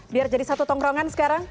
biar jadi satu tongkrongan sekarang